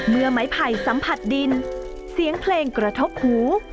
เมื่อไม้ไผ่สัมผัสดินเสียงเพลงกระทบหู